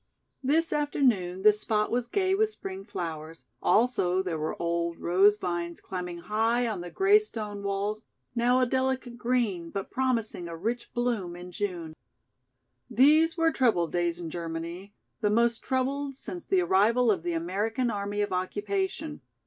This afternoon this spot was gay with spring flowers, also there were old rose vines climbing high on the grey stone walls, now a delicate green but promising a rich bloom in June. These were troubled days in Germany, the most troubled since the arrival of the American Army of Occupation.